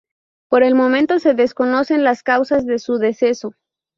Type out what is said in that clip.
Por el momento se desconocen las causas de su deceso.